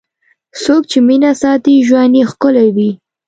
څوک چې مینه ساتي، ژوند یې ښکلی وي.